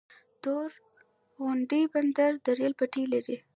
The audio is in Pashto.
تورغونډۍ بندر د ریل پټلۍ لري؟